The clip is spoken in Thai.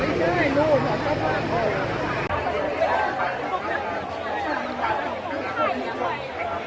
ก็ไม่มีเวลาให้กลับมาเท่าไหร่